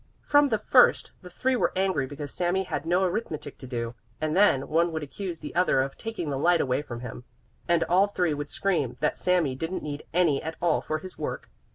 From the first the three were angry because Sami had no arithmetic to do, and then one would accuse the other of taking the light away from him, and all three would scream that Sami didn't need any at all for his work.